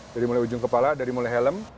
dari mulai ujung kepala dari mulai helm